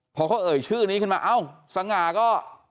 พอเขาเอ่ยชื่อนี้ขึ้นมาเอ้าสง่าก็